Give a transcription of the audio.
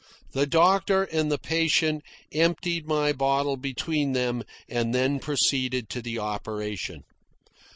The doctor and the patient emptied my bottle between them and then proceeded to the operation.